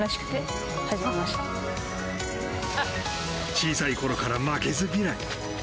小さいころから負けず嫌い。